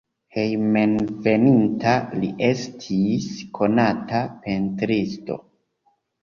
Hejmenveninta li estis konata pentristo.